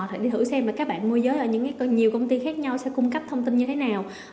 thử xem các bạn mua giới ở nhiều công ty khác nhau sẽ cung cấp thông tin như thế nào